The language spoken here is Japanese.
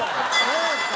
そうか！